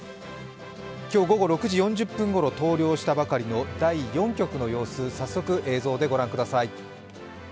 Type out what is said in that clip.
今日午後６時４０分ごろ、投了したばかりの第４局の様子、早速映像で御覧ください。